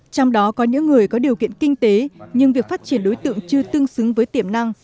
trong đó có những người có điều kiện kinh tế nhưng việc phát triển đối tượng chưa tương xứng với tiềm năng